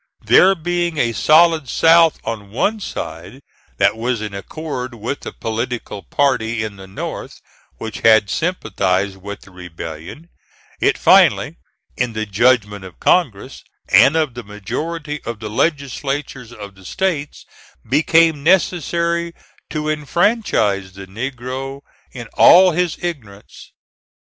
There being a solid South on one side that was in accord with the political party in the North which had sympathized with the rebellion, it finally, in the judgment of Congress and of the majority of the legislatures of the States, became necessary to enfranchise the negro, in all his ignorance.